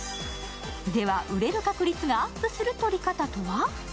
では、売れる確率がアップする撮り方とは？